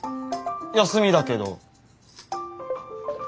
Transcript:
休みだけど。